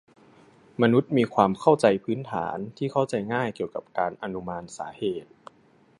มนุษย์มีความเข้าใจพื้นฐานที่เข้าใจง่ายเกี่ยวกับการอนุมานสาเหตุ